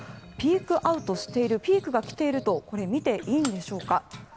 ピークアウトしているピークが来ているとこれはみていいんでしょうか。